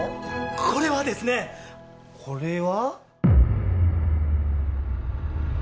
これはですねこれは？